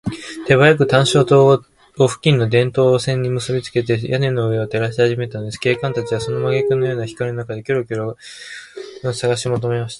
手早く探照燈を付近の電燈線にむすびつけ、屋根の上を照らしはじめたのです。警官たちは、その真昼のような光の中で、キョロキョロと賊の姿をさがしもとめました。